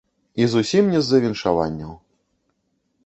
І зусім не з-за віншаванняў.